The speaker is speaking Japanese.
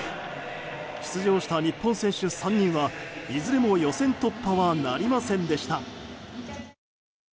出場した日本選手３人はいずれも予選突破はなりませんでした。